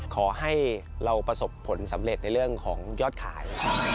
ขอให้เราประสบผลสำเร็จในเรื่องของยอดขาย